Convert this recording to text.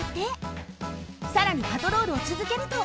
さらにパトロールをつづけると。